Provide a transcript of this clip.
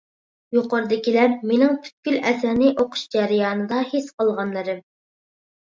يۇقىرىدىكىلەر مېنىڭ پۈتكۈل ئەسەرنى ئوقۇش جەريانىدا ھېس قىلغانلىرىم.